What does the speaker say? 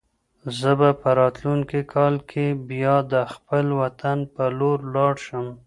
زه به په راتلونکي کال کې بیا د خپل وطن په لور لاړ شم.